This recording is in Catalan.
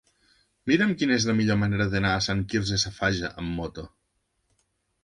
Mira'm quina és la millor manera d'anar a Sant Quirze Safaja amb moto.